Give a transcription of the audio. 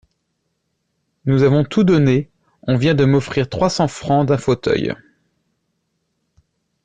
Nous avons tout donné, on vient de m'offrir trois cents francs d'un fauteuil.